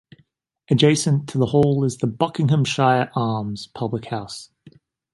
Adjacent to the hall is the "Buckinghamshire Arms" public house.